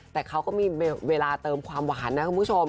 แต่เขาก็มีเวลาเติมความหวานนะคุณผู้ชม